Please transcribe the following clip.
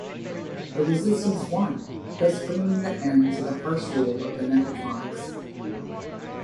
The Resistance won, thus bringing the end to the harsh rule of Mechatronics.